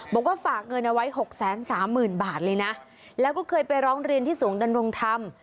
บอกว่าฝากเงินเอาไว้หกแสนสามหมื่นบาทเลยนะแล้วก็เคยไปร้องเรียนที่ศูนย์ดำรงธรรม